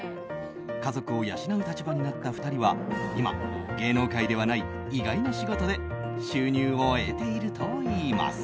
家族を養う立場になった２人は今、芸能界ではない意外な仕事で収入を得ているといいます。